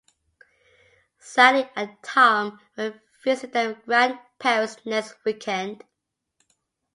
Sally and Tom will visit their grandparents next weekend.